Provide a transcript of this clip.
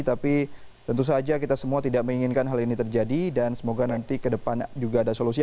tapi tentu saja kita semua tidak menginginkan hal ini terjadi dan semoga nanti ke depan juga ada solusi